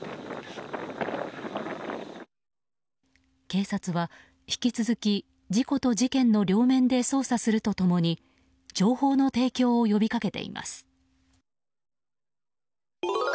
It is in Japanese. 警察は引き続き事故と事件の両面で捜査すると共に情報の提供を呼び掛けています。